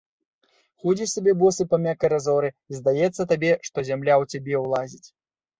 Ходзіш сабе босы па мяккай разоры, і здаецца табе, што зямля ў цябе ўлазіць.